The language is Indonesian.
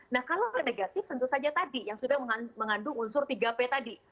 nah kalau negatif tentu saja tadi yang sudah mengandung unsur tiga p tadi